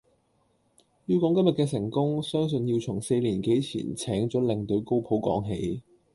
要講今日嘅成功，相信要從四年幾前請咗領隊高普講起。